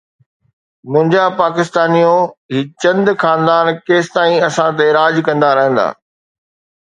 منهنجا پاڪستانيو، هي چند خاندان ڪيستائين اسان تي راڄ ڪندا رهندا؟